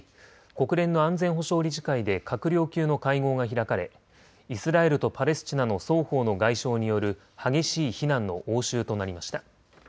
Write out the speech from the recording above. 国連の安全保障理事会で閣僚級の会合が開かれイスラエルとパレスチナの双方の外相による激しい非難の応酬となりました。